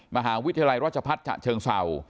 มหาวิทยาลัยราชพัฒน์ฉะเชิงเศร้า